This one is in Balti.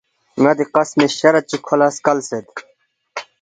ن٘ا دی قسمی شرط چی کھو لہ سکلسید